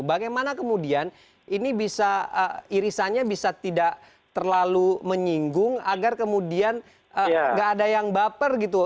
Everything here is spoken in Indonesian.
bagaimana kemudian ini bisa irisannya bisa tidak terlalu menyinggung agar kemudian nggak ada yang baper gitu